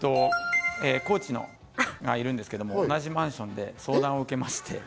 コーチがいるんですが、同じマンションで相談を受けまして。